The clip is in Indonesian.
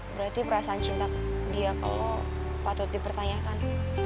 berarti perasaan cinta dia ke lo patut dipertanyakan